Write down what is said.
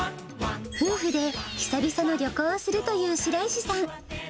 夫婦で久々の旅行をするという白石さん。